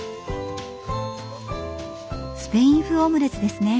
スペイン風オムレツですね。